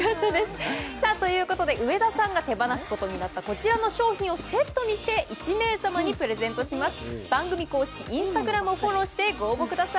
上田さんが手放すことになったこちらをセットにして１名様にプレゼントします。